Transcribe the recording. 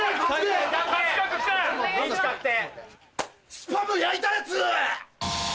スパム焼いたやつ！